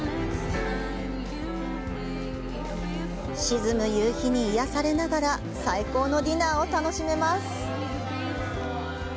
沈む夕日に癒されながら最高のディナーを楽しめます。